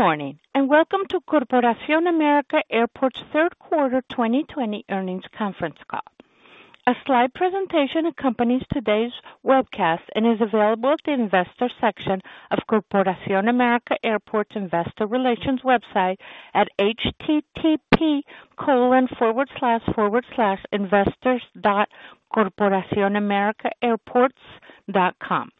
Good morning, and welcome to Corporación América Airports' third quarter 2020 earnings conference call. A slide presentation accompanies today's webcast and is available at the investor section of Corporación América Airports' investor relations website at http://investors.corporacionamericaairports.com.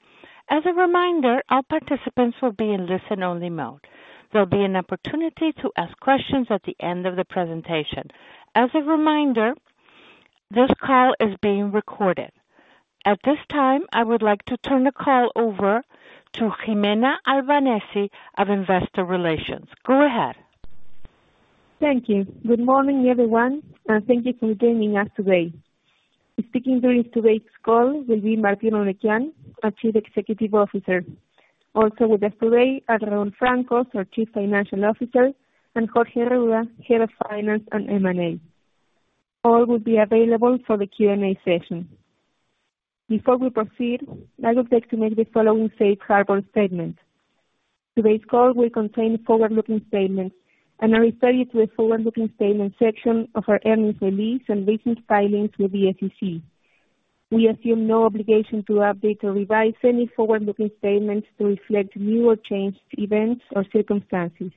As a reminder, all participants will be in listen-only mode. There'll be an opportunity to ask questions at the end of the presentation. As a reminder, this call is being recorded. At this time, I would like to turn the call over to Gimena Albanesi of Investor Relations. Go ahead. Thank you. Good morning, everyone, and thank you for joining us today. Speaking during today's call will be Martín Eurnekian, our Chief Executive Officer. Also with us today are Raúl Francos, our Chief Financial Officer, and Jorge Arruda, Head of Finance and M&A. All will be available for the Q&A session. Before we proceed, I would like to make the following safe harbor statement. Today's call will contain forward-looking statements, and I refer you to the forward-looking statements section of our earnings release and recent filings with the SEC. We assume no obligation to update or revise any forward-looking statements to reflect new or changed events or circumstances.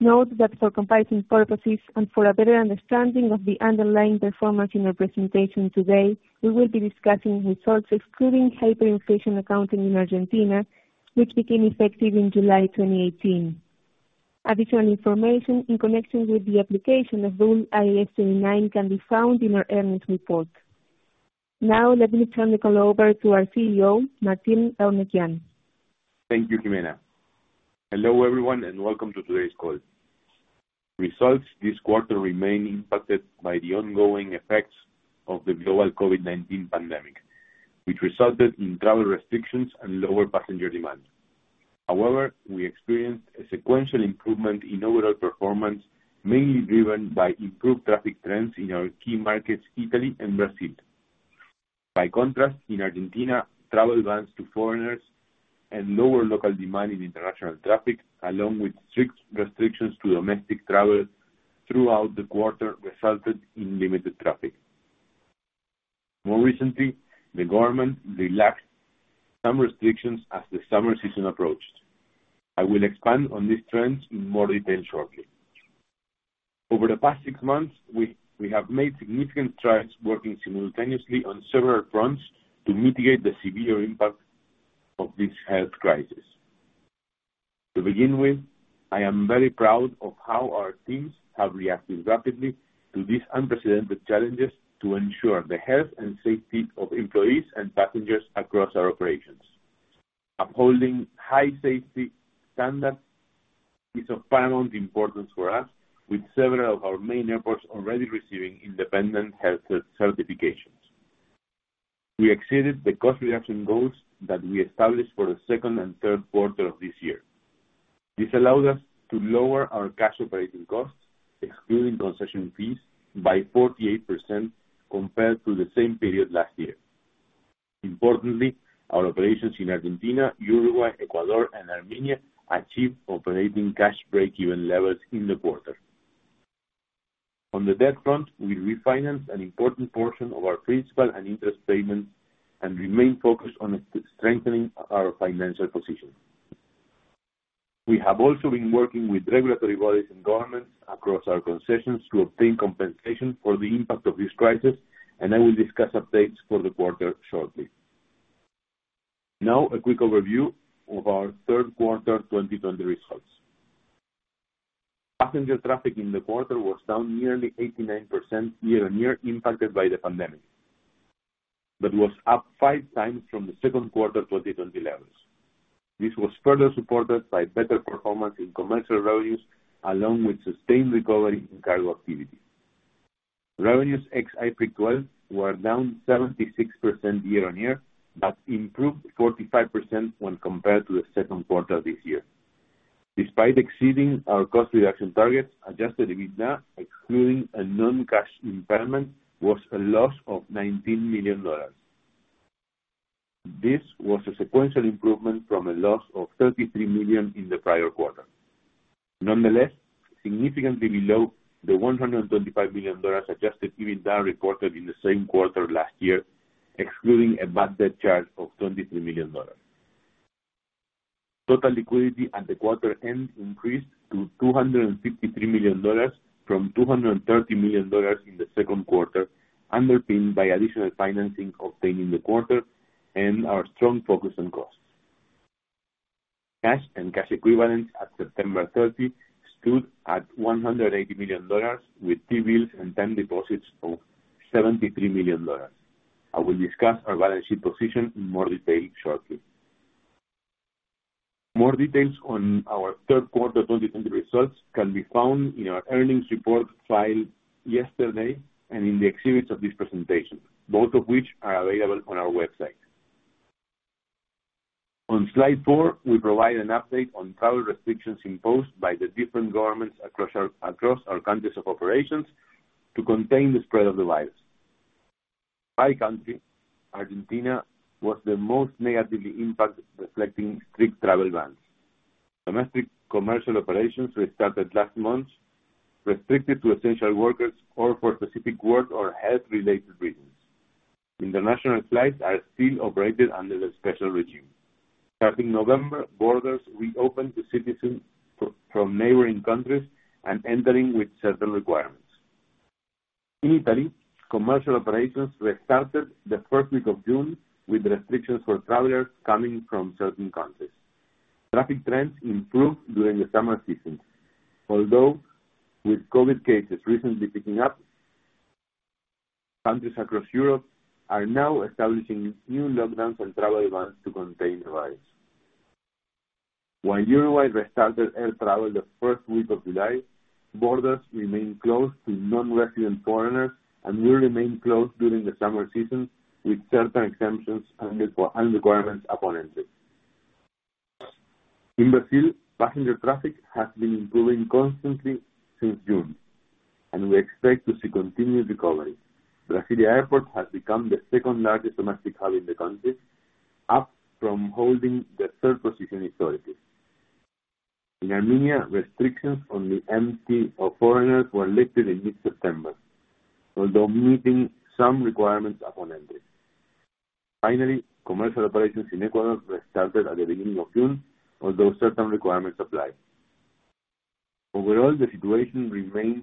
Note that for comparison purposes and for a better understanding of the underlying performance in our presentation today, we will be discussing results excluding hyperinflation accounting in Argentina, which became effective in July 2018. Additional information in connection with the application of Rule IAS 29 can be found in our earnings report. Let me turn the call over to our CEO, Martín Eurnekian. Thank you, Gimena. Hello, everyone, and welcome to today's call. Results this quarter remain impacted by the ongoing effects of the global COVID-19 pandemic, which resulted in travel restrictions and lower passenger demand. However, we experienced a sequential improvement in overall performance, mainly driven by improved traffic trends in our key markets, Italy and Brazil. By contrast, in Argentina, travel bans to foreigners and lower local demand in international traffic, along with strict restrictions to domestic travel throughout the quarter, resulted in limited traffic. More recently, the government relaxed some restrictions as the summer season approached. I will expand on these trends in more detail shortly. Over the past six months, we have made significant strides working simultaneously on several fronts to mitigate the severe impact of this health crisis. To begin with, I am very proud of how our teams have reacted rapidly to these unprecedented challenges to ensure the health and safety of employees and passengers across our operations. Upholding high safety standards is of paramount importance for us, with several of our main airports already receiving independent health certifications. We exceeded the cost reduction goals that we established for the second and third quarter of this year. This allowed us to lower our cash operating costs, excluding concession fees, by 48% compared to the same period last year. Importantly, our operations in Argentina, Uruguay, Ecuador, and Armenia achieved operating cash breakeven levels in the quarter. On the debt front, we refinanced an important portion of our principal and interest payments and remain focused on strengthening our financial position. We have also been working with regulatory bodies and governments across our concessions to obtain compensation for the impact of this crisis, and I will discuss updates for the quarter shortly. Now, a quick overview of our third quarter 2020 results. Passenger traffic in the quarter was down nearly 89% year-on-year impacted by the pandemic. Was up five times from the second quarter 2020 levels. This was further supported by better performance in commercial revenues, along with sustained recovery in cargo activity. Revenues ex IFRIC 12 were down 76% year-on-year, but improved 45% when compared to the second quarter of this year. Despite exceeding our cost reduction targets, adjusted EBITDA, excluding a non-cash impairment, was a loss of $19 million. This was a sequential improvement from a loss of $33 million in the prior quarter. Nonetheless, significantly below the $125 million adjusted EBITDA reported in the same quarter last year, excluding a bad debt charge of $23 million. Total liquidity at the quarter end increased to $253 million from $230 million in the second quarter, underpinned by additional financing obtained in the quarter and our strong focus on costs. Cash and cash equivalents at September 30 stood at $180 million, with T-bills and time deposits of $73 million. I will discuss our balance sheet position in more detail shortly. More details on our third quarter 2020 results can be found in our earnings report filed yesterday and in the exhibits of this presentation, both of which are available on our website. On slide four, we provide an update on travel restrictions imposed by the different governments across our countries of operations to contain the spread of the virus. By country, Argentina was the most negatively impacted, reflecting strict travel bans. Domestic commercial operations restarted last month, restricted to essential workers or for specific work or health-related reasons. International flights are still operated under the special regime. Starting November, borders reopened to citizens from neighboring countries and entering with certain requirements. In Italy, commercial operations restarted the first week of June with restrictions for travelers coming from certain countries. Traffic trends improved during the summer season, although with COVID cases recently picking up, countries across Europe are now establishing new lockdowns and travel bans to contain the virus. While Uruguay restarted air travel the first week of July, borders remain closed to non-resident foreigners and will remain closed during the summer season, with certain exemptions and requirements upon entry. In Brazil, passenger traffic has been improving constantly since June, and we expect to see continued recovery. Brasilia Airport has become the second largest domestic hub in the country, up from holding the third position historically. In Armenia, restrictions on the entry of foreigners were lifted in mid-September, although meeting some requirements upon entry. Finally, commercial operations in Ecuador restarted at the beginning of June, although certain requirements apply. Overall, the situation remains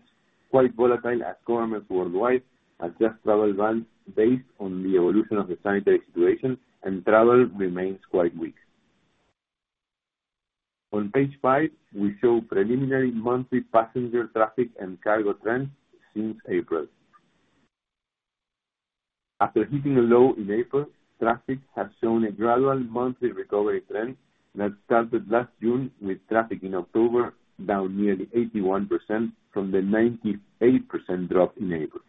quite volatile as governments worldwide adjust travel bans based on the evolution of the sanitary situation, and travel remains quite weak. On page five, we show preliminary monthly passenger traffic and cargo trends since April. After hitting a low in April, traffic has shown a gradual monthly recovery trend that started last June, with traffic in October down nearly 81% from the 98% drop in April.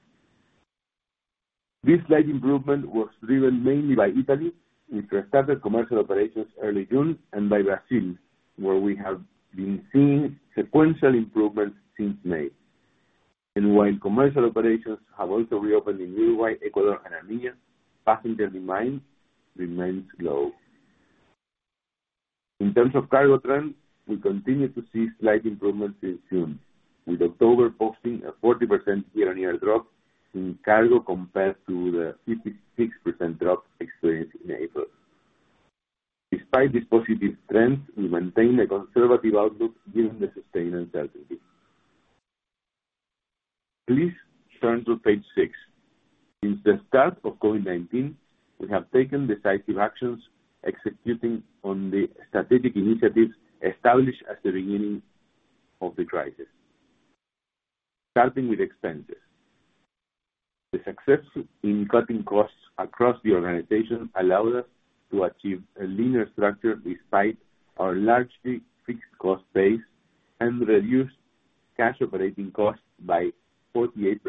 This slight improvement was driven mainly by Italy, which restarted commercial operations early June, by Brazil, where we have been seeing sequential improvements since May. While commercial operations have also reopened in Uruguay, Ecuador, and Armenia, passenger demand remains low. In terms of cargo trends, we continue to see slight improvements since June, with October posting a 40% year-on-year drop in cargo compared to the 56% drop experienced in April. Despite this positive trend, we maintain a conservative outlook given the sustained uncertainty. Please turn to page six. Since the start of COVID-19, we have taken decisive actions executing on the strategic initiatives established at the beginning of the crisis. Starting with expenses. The success in cutting costs across the organization allowed us to achieve a leaner structure despite our largely fixed cost base and reduce cash operating costs by 48%,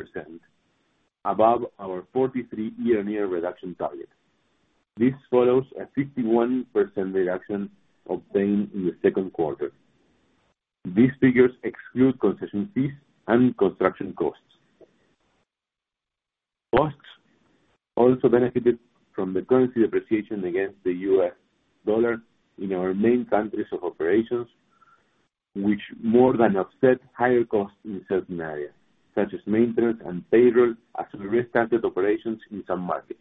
above our 43% year-on-year reduction target. This follows a 51% reduction obtained in the second quarter. These figures exclude concession fees and construction costs. Costs also benefited from the currency depreciation against the U.S. dollar in our main countries of operations, which more than offset higher costs in certain areas, such as maintenance and payroll, as we restarted operations in some markets.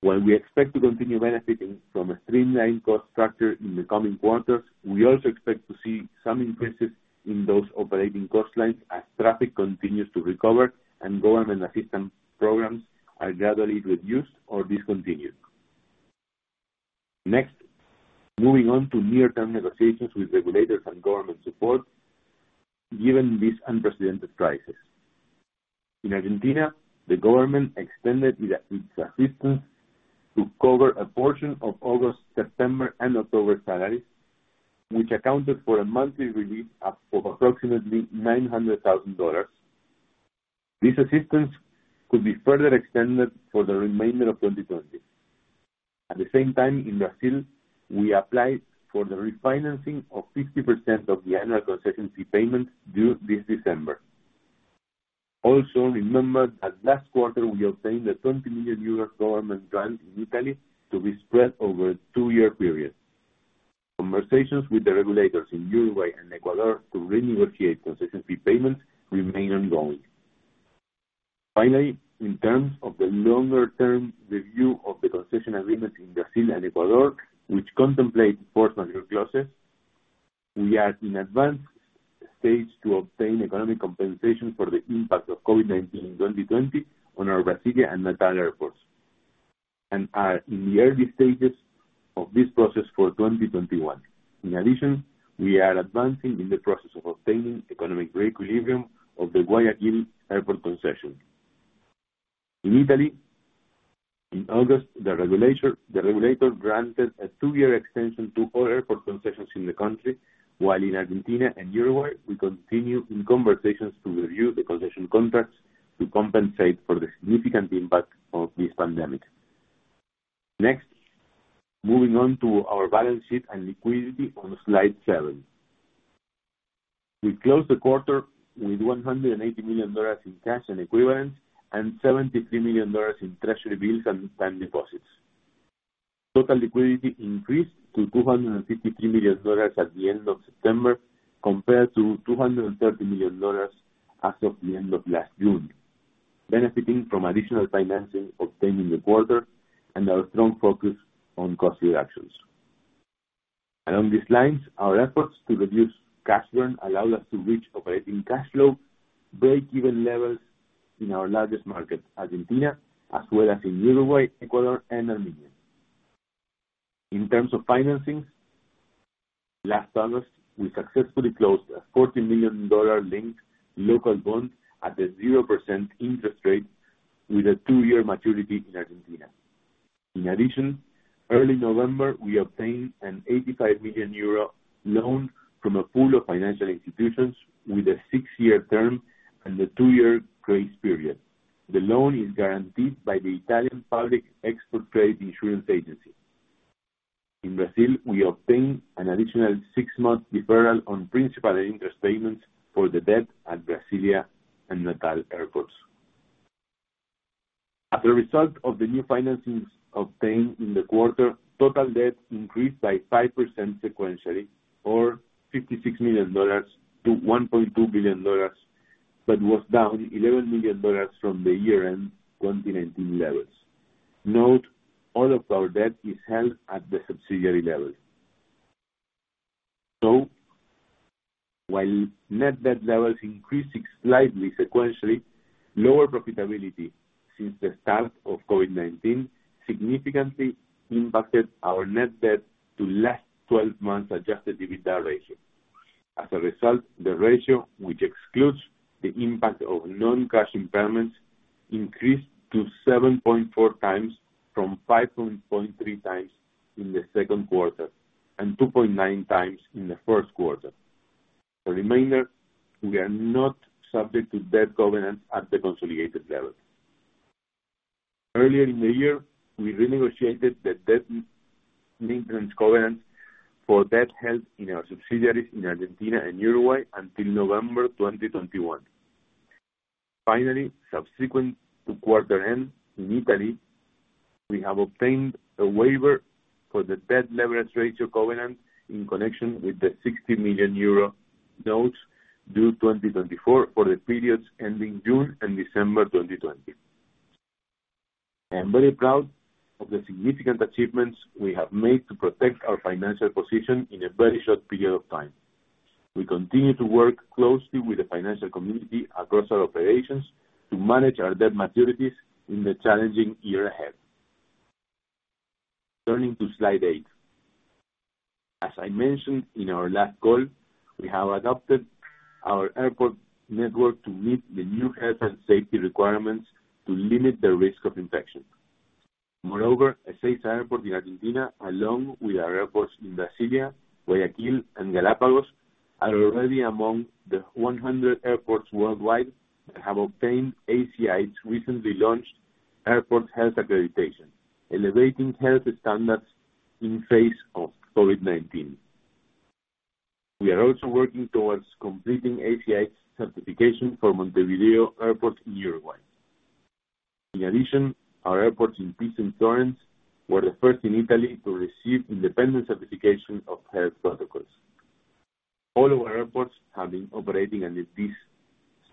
While we expect to continue benefiting from a streamlined cost structure in the coming quarters, we also expect to see some increases in those operating cost lines as traffic continues to recover and government assistance programs are gradually reduced or discontinued. Next, moving on to near-term negotiations with regulators and government support given this unprecedented crisis. In Argentina, the government extended its assistance to cover a portion of August, September, and October salaries, which accounted for a monthly relief of approximately $900,000. This assistance could be further extended for the remainder of 2020. At the same time, in Brazil, we applied for the refinancing of 50% of the annual concession fee payment due this December. Remember that last quarter we obtained a 20 million euros government grant in Italy to be spread over a two-year period. Conversations with the regulators in Uruguay and Ecuador to renegotiate concession fee payments remain ongoing. In terms of the longer-term review of the concession agreement in Brazil and Ecuador, which contemplate force majeure clauses, we are in advanced stage to obtain economic compensation for the impact of COVID-19 in 2020 on our Brasilia and Natal airports, and are in the early stages of this process for 2021. We are advancing in the process of obtaining economic reequilibrium of the Guayaquil Airport concession. In Italy, in August, the regulator granted a two-year extension to all airport concessions in the country, while in Argentina and Uruguay, we continue in conversations to review the concession contracts to compensate for the significant impact of this pandemic. Moving on to our balance sheet and liquidity on slide seven. We closed the quarter with $180 million in cash and equivalents and $73 million in treasury bills and time deposits. Total liquidity increased to $253 million at the end of September, compared to $230 million as of the end of last June, benefiting from additional financing obtained in the quarter and our strong focus on cost reductions. Along these lines, our efforts to reduce cash burn allowed us to reach operating cash flow breakeven levels in our largest market, Argentina, as well as in Uruguay, Ecuador, and Armenia. In terms of financing, last August, we successfully closed a $40 million linked local bond at a 0% interest rate with a two-year maturity in Argentina. In addition, early November, we obtained an 85 million euro loan from a pool of financial institutions with a six-year term and a two-year grace period. The loan is guaranteed by the Italian Public Export Trade Insurance Agency. In Brazil, we obtained an additional six-month deferral on principal and interest payments for the debt at Brasilia and Natal airports. As a result of the new financings obtained in the quarter, total debt increased by 5% sequentially or $56 million to $1.2 billion, but was down $11 million from the year-end 2019 levels. Note, all of our debt is held at the subsidiary level. So, while net debt levels increased slightly sequentially, lower profitability since the start of COVID-19 significantly impacted our net debt to last 12 months adjusted EBITDA ratio. As a result, the ratio, which excludes the impact of non-cash impairments, increased to 7.4 times from 5.3 times in the second quarter and 2.9 times in the first quarter. A reminder, we are not subject to debt covenants at the consolidated level. Earlier in the year, we renegotiated the debt maintenance covenant for debt held in our subsidiaries in Argentina and Uruguay until November 2021. Finally, subsequent to quarter end, in Italy, we have obtained a waiver for the debt leverage ratio covenant in connection with the 60 million euro notes due 2024 for the periods ending June and December 2020. I am very proud of the significant achievements we have made to protect our financial position in a very short period of time. We continue to work closely with the financial community across our operations to manage our debt maturities in the challenging year ahead. Turning to slide eight. As I mentioned in our last call, we have adapted our airport network to meet the new health and safety requirements to limit the risk of infection. Moreover, Ezeiza Airport in Argentina, along with our airports in Brasilia, Guayaquil, and Galapagos, are already among the 100 airports worldwide that have obtained ACI's recently launched Airport Health Accreditation, elevating health standards in face of COVID-19. We are also working towards completing ACI's certification for Montevideo Airport in Uruguay. In addition, our airports in Pisa and Florence were the first in Italy to receive independent certification of health protocols. All our airports have been operating under these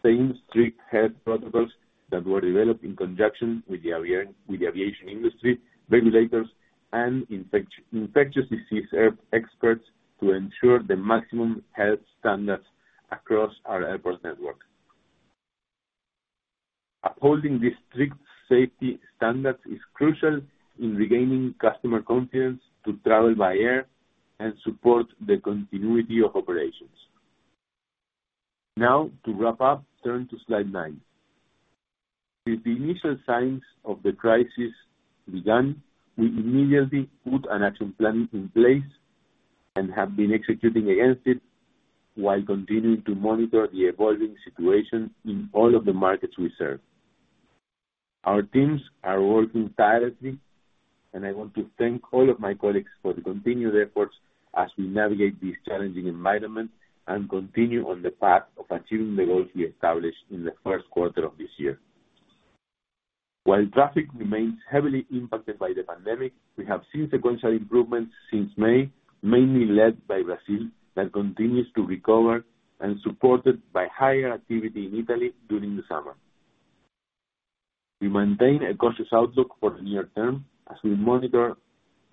same strict health protocols that were developed in conjunction with the aviation industry, regulators, and infectious disease experts to ensure the maximum health standards across our airport network. Upholding these strict safety standards is crucial in regaining customer confidence to travel by air and support the continuity of operations. Now, to wrap up, turn to slide nine. With the initial signs of the crisis begun, we immediately put an action plan in place and have been executing against it while continuing to monitor the evolving situation in all of the markets we serve. Our teams are working tirelessly, and I want to thank all of my colleagues for the continued efforts as we navigate this challenging environment and continue on the path of achieving the goals we established in the first quarter of this year. While traffic remains heavily impacted by the pandemic, we have seen sequential improvements since May, mainly led by Brazil, that continues to recover, and supported by higher activity in Italy during the summer. We maintain a cautious outlook for the near term as we monitor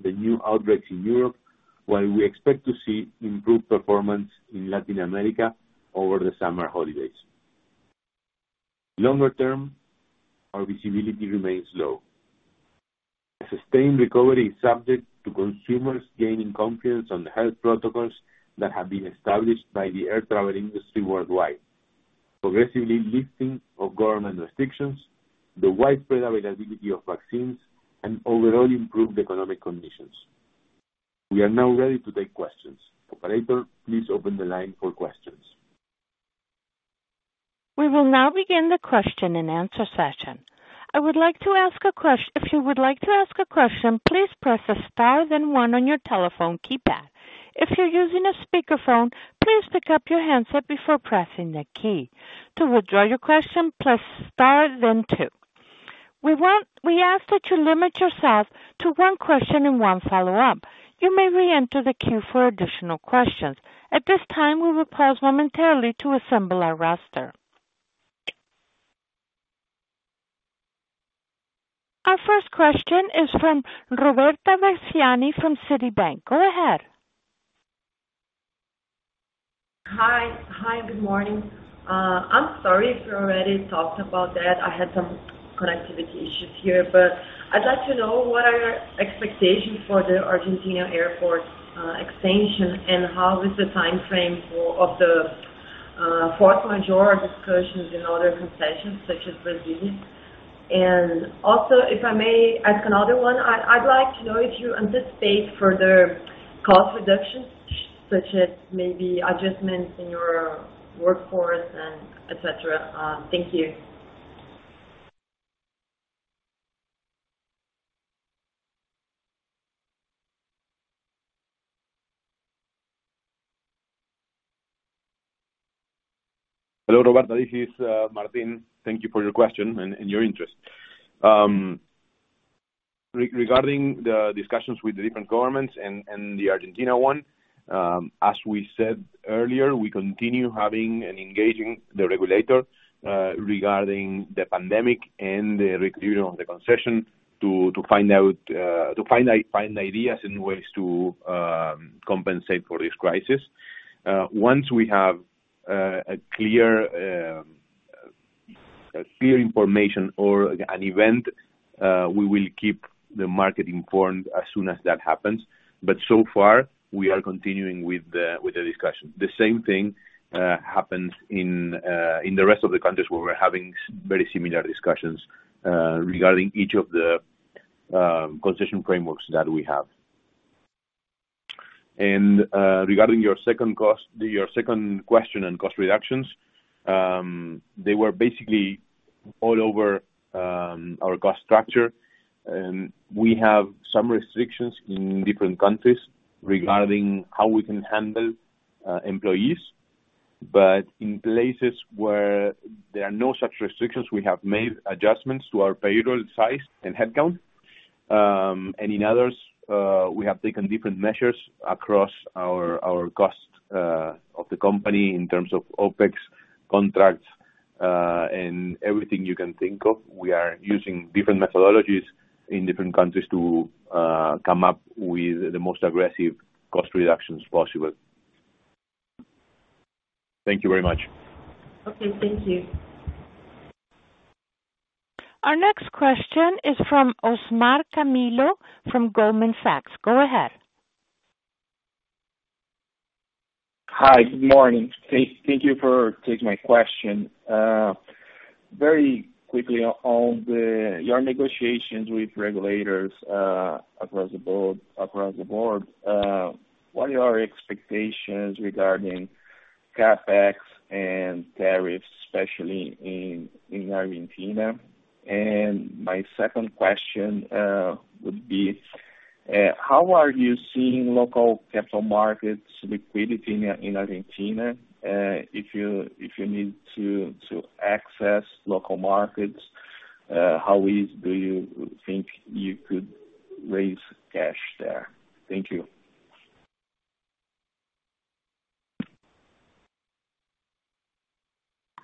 the new outbreaks in Europe, while we expect to see improved performance in Latin America over the summer holidays. Longer term, our visibility remains low. A sustained recovery is subject to consumers gaining confidence on the health protocols that have been established by the air travel industry worldwide, progressively lifting of government restrictions, the widespread availability of vaccines, and overall improved economic conditions. We are now ready to take questions. Operator, please open the line for questions. We will now begin the question-and-answer session. If you would like to ask a question, please press star, then one on your telephone keypad. If you're using a speakerphone, please pick up your handset before pressing a key. To withdraw your question, press star then two. We ask that you limit yourself to one question and one follow-up. You may reenter the queue for additional questions. At this time, we will pause momentarily to assemble our roster. Our first question is from Roberta Versiani from Citibank. Go ahead. Hi. Good morning. I'm sorry if you already talked about that, I had some connectivity issues here, but I'd like to know what are your expectations for the Argentina airport expansion, and how is the timeframe for the force majeure discussions in other concessions such as Brazil? Also, if I may ask another one, I'd like to know if you anticipate further cost reductions, such as maybe adjustments in your workforce, et cetera. Thank you. Hello, Roberta. This is Martín. Thank you for your question and your interest. Regarding the discussions with the different governments and the Argentina one, as we said earlier, we continue having and engaging the regulator regarding the pandemic and the review of the concession to find ideas and ways to compensate for this crisis. Once we have clear information or an event, we will keep the market informed as soon as that happens, but so far, we are continuing with the discussion. The same thing happens in the rest of the countries where we're having very similar discussions regarding each of the concession frameworks that we have. Regarding your second question on cost reductions, they were basically all over our cost structure. We have some restrictions in different countries regarding how we can handle employees, but in places where there are no such restrictions, we have made adjustments to our payroll size and headcount. In others, we have taken different measures across our cost of the company in terms of OpEx contracts, and everything you can think of. We are using different methodologies in different countries to come up with the most aggressive cost reductions possible. Thank you very much. Okay. Thank you. Our next question is from Osmar Camilo from Goldman Sachs. Go ahead. Hi. Good morning. Thank you for taking my question. Very quickly on your negotiations with regulators across the board, what are your expectations regarding CapEx and tariffs, especially in Argentina? My second question would be, how are you seeing local capital markets liquidity in Argentina? If you need to access local markets, how easy do you think you could raise cash there? Thank you.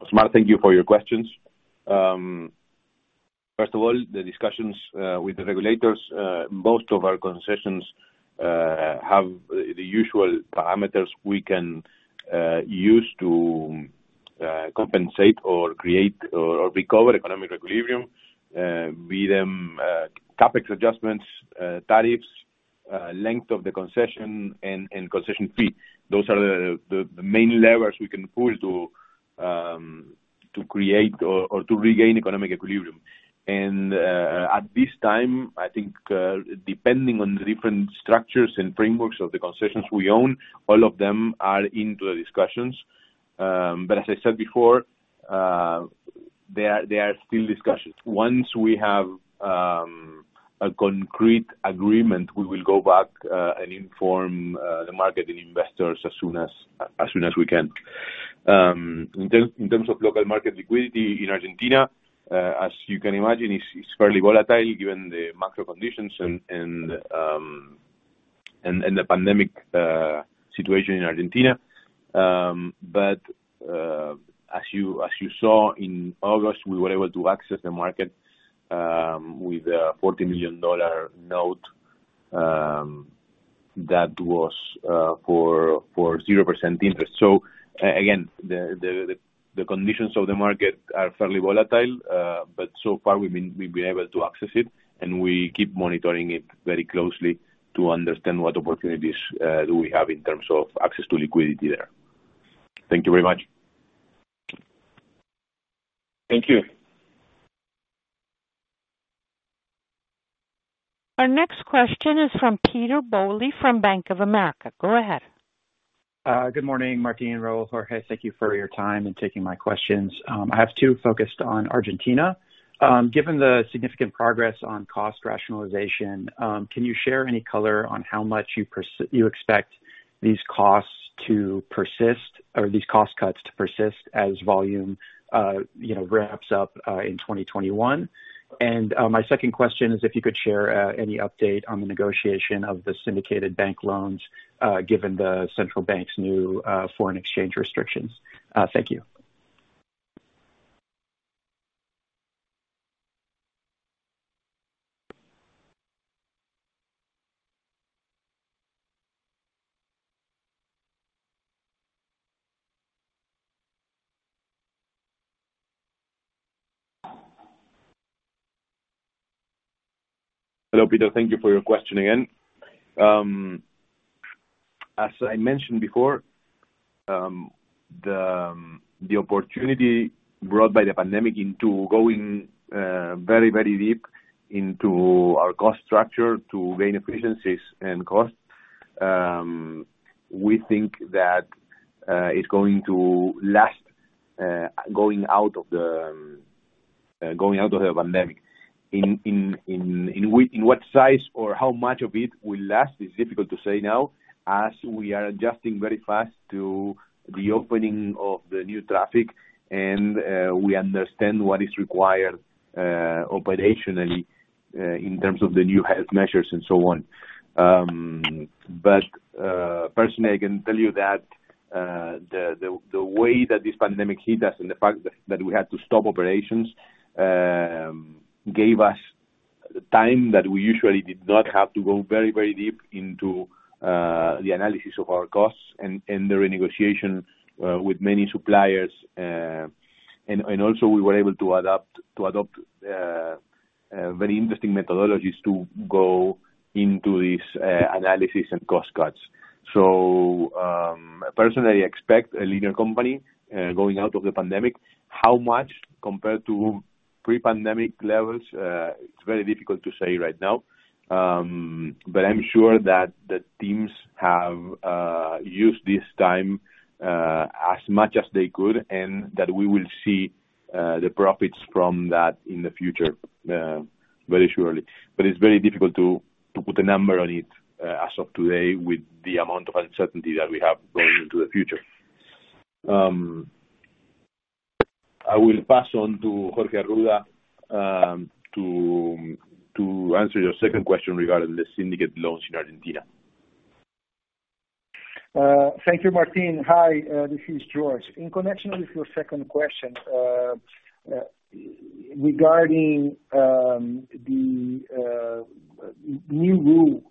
Osmar, thank you for your questions. The discussions with the regulators, most of our concessions have the usual parameters we can use to compensate or create or recover economic equilibrium, be them CapEx adjustments, tariffs, length of the concession, and concession fee. Those are the main levers we can pull to create or to regain economic equilibrium. At this time, I think, depending on the different structures and frameworks of the concessions we own, all of them are into the discussions. As I said before, they are still discussions. Once we have a concrete agreement, we will go back and inform the market and investors as soon as we can. In terms of local market liquidity in Argentina, as you can imagine, it's fairly volatile given the macro conditions and the pandemic situation in Argentina. As you saw in August, we were able to access the market with a $40 million note that was for 0% interest. Again, the conditions of the market are fairly volatile, but so far we've been able to access it, and we keep monitoring it very closely to understand what opportunities do we have in terms of access to liquidity there. Thank you very much. Thank you. Our next question is from Peter Bowley from Bank of America. Go ahead. Good morning, Martín, Raúl, Jorge. Thank you for your time and taking my questions. I have two focused on Argentina. Given the significant progress on cost rationalization, can you share any color on how much you expect these cost cuts to persist as volume ramps up in 2021? My second question is if you could share any update on the negotiation of the syndicated bank loans, given the Central Bank's new foreign exchange restrictions. Thank you. Hello, Peter. Thank you for your question again. As I mentioned before, the opportunity brought by the pandemic into going very, very deep into our cost structure to gain efficiencies and costs, we think that it's going to last going out of the pandemic. What size or how much of it will last is difficult to say now, as we are adjusting very fast to the opening of the new traffic, and we understand what is required operationally in terms of the new health measures and so on. Personally, I can tell you that the way that this pandemic hit us and the fact that we had to stop operations gave us time that we usually did not have to go very, very deep into the analysis of our costs and the renegotiation with many suppliers. Also we were able to adopt very interesting methodologies to go into this analysis and cost cuts. Personally, I expect a leaner company going out of the pandemic. How much compared to pre-pandemic levels, it's very difficult to say right now. I'm sure that the teams have used this time as much as they could, and that we will see the profits from that in the future very surely. It's very difficult to put a number on it as of today with the amount of uncertainty that we have going into the future. I will pass on to Jorge Arruda to answer your second question regarding the syndicate loans in Argentina. Thank you, Martín. Hi, this is Jorge. In connection with your second question regarding the new rule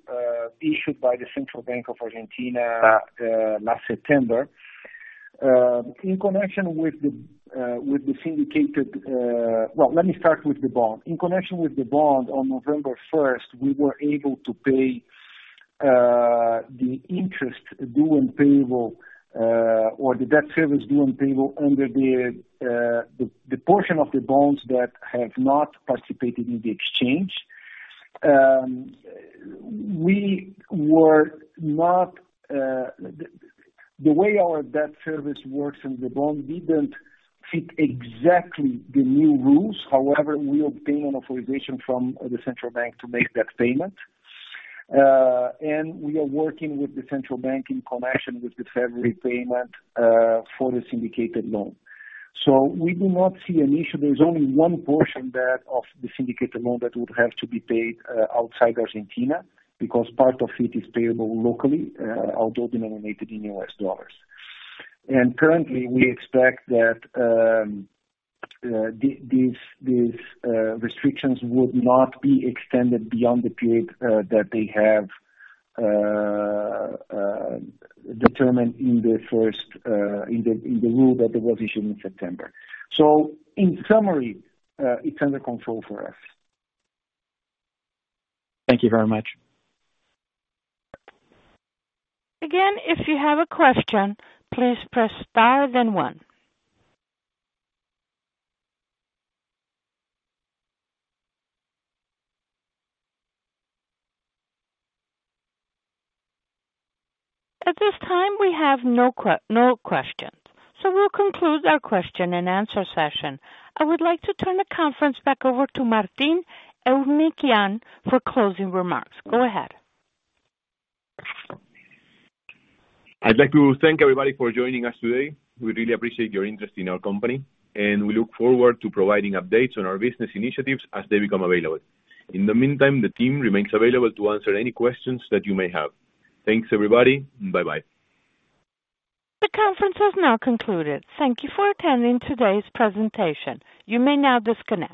issued by the Central Bank of Argentina last September. Well, let me start with the bond. In connection with the bond, on November 1st, we were able to pay the interest due and payable or the debt service due and payable under the portion of the bonds that have not participated in the exchange. The way our debt service works in the bond didn't fit exactly the new rules. We obtained an authorization from the Central Bank to make that payment. We are working with the Central Bank in connection with the February payment for the syndicated loan. We do not see an issue. There's only one portion of the syndicated loan that would have to be paid outside Argentina because part of it is payable locally, although denominated in U.S. dollars. Currently, we expect that these restrictions would not be extended beyond the period that they have determined in the rule that was issued in September. In summary, it's under control for us. Thank you very much. Again, if you have a question, please press star then one. At this time, we have no questions. We'll conclude our question-and-answer session. I would like to turn the conference back over to Martín Eurnekian for closing remarks. Go ahead. I'd like to thank everybody for joining us today. We really appreciate your interest in our company, and we look forward to providing updates on our business initiatives as they become available. In the meantime, the team remains available to answer any questions that you may have. Thanks, everybody. Bye-bye. The conference has now concluded. Thank you for attending today's presentation. You may now disconnect.